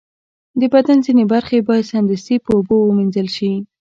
د بدن ځینې برخې باید سمدستي په اوبو ومینځل شي.